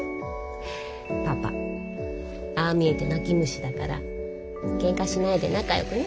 パパああ見えて泣き虫だからけんかしないで仲よくね。